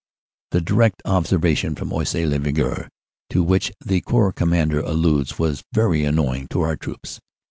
The direct observation from Oisy le Verger to which ihe Corps Commander alludes was very annoying to our troops.